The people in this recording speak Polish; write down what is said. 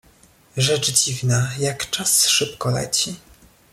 "Rzecz dziwna, jak czas szybko leci!"